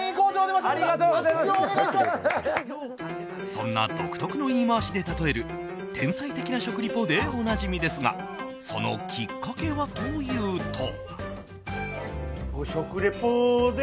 そんな独特の言い回しで例える天才的な食リポでおなじみですがそのきっかけはというと。